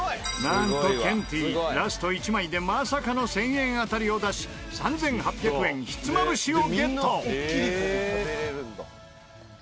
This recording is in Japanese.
なんとケンティーラスト１枚でまさかの１０００円当たりを出し３８００円ひつまぶしをゲット！